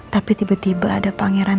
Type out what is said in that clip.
tapi tiba tiba ada pangeran